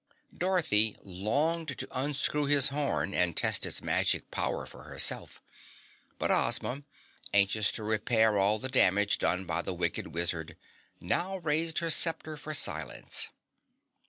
Dorothy longed to unscrew his horn and test its magic power for herself, but Ozma, anxious to repair all the damage done by the wicked wizard, now raised her scepter for silence.